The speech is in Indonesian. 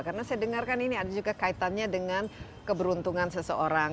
karena saya dengarkan ini ada juga kaitannya dengan keberuntungan seseorang